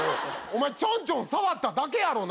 お前ちょんちょん触っただけやろ。